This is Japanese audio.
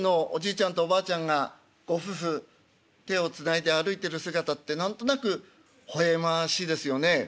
ちゃんとおばあちゃんがご夫婦手をつないで歩いてる姿って何となくほほえましいですよね。